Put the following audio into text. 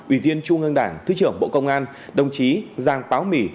ủy viên trung ương đảng thứ trưởng bộ công an đồng chí giang táo mỹ